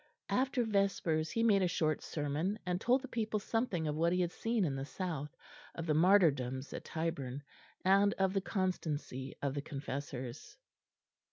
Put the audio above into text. After vespers he made a short sermon, and told the people something of what he had seen in the South, of the martyrdoms at Tyburn, and of the constancy of the confessors.